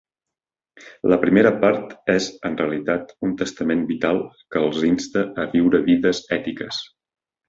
La primera part és en realitat un testament vital que els insta a viure vides ètiques.